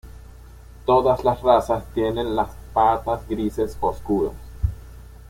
Todas las razas tienen las patas grises oscuras.